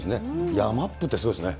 ヤマップってすごいですね。